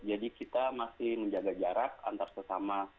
jadi kita masih menjaga jarak antar sesama